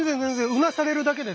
うなされるだけで全然。